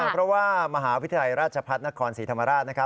เพราะว่ามหาวิทยาลัยราชพัฒนครศรีธรรมราช